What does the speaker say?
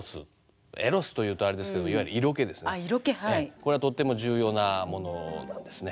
これはとっても重要なものなんですね。